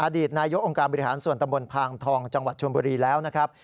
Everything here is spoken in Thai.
อดีตนายกองค์การบริหารส่วนตำบลพางทองจังหวัดชนบุรีแล้วนะครับ